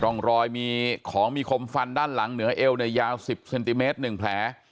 ร่องรอยมีของมีคมฟันด้านหลังเหนือเอวเนี่ยยาว๑๐เซนติเมตร๑แผล